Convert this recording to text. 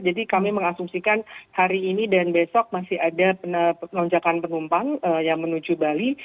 jadi kami mengasumsikan hari ini dan besok masih ada lonjakan pengumpang yang menuju bali